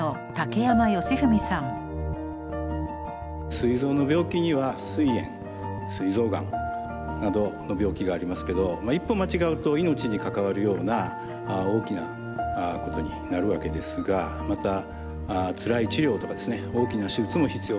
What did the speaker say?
すい臓の病気にはすい炎すい臓がんなどの病気がありますけど一歩間違うと命に関わるような大きなことになるわけですがまたつらい治療とかですね大きな手術も必要となることがあります。